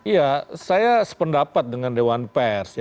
ya saya sependapat dengan dewan pers